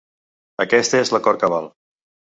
Aquest és l’acord que val.